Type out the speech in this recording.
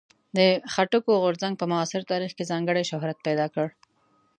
د خټکو غورځنګ په معاصر تاریخ کې ځانګړی شهرت پیدا کړ.